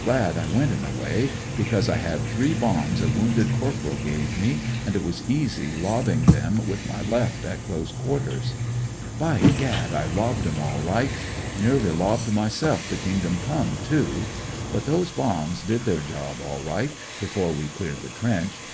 Glad I went in a way, because I had three bombs a wounded corporal gave me, and it was easy lobbing them with my left at close quarters. By gad, I lobbed 'em all right; nearly lobbed myself to Kingdom come, too. But those bombs did their job all right, before we cleared the trench.